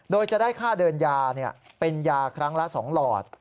โดยจะได้ค่าเดินยาเป็นยาครั้งละ๒หลอด